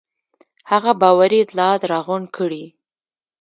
هغه باوري اطلاعات راغونډ کړي.